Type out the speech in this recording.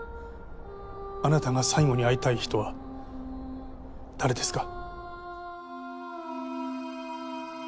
あなたが最後に会いたい人は誰ですか。